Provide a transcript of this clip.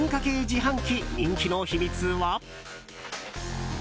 自販機、人気の秘密は？